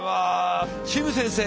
シム先生